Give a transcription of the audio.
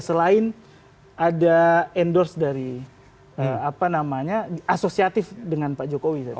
selain ada endorse dari asosiatif dengan pak jokowi